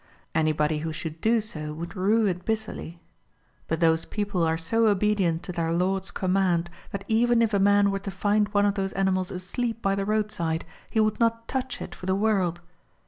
Anybody who should do so would rue it bitterly. But those people are so obedient to their Lord's command, that even if a man were to find one of those animals asleep by the road side he would not touch it for the world